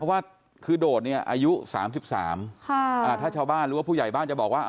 เพราะว่าโดดอายุ๓๓ถ้าชาวบ้านหรือว่าผู้ใหญ่บ้างจะบอกว่า